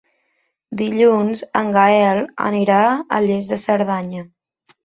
Dilluns en Gaël anirà a Lles de Cerdanya.